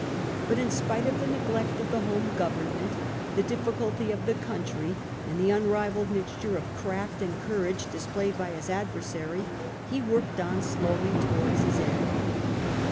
But in spite of the neglect of the home government, the difiiculty of the country, and the un rivalled mixture of craft and courage displayed by his adversary, he worked on slowly towards his end.